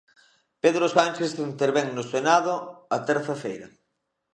Pedro Sánchez intervén no Senado a terza feira.